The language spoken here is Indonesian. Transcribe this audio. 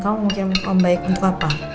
kamu mungkin mau ke om baik untuk apa